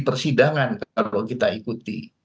persidangan kalau kita ikuti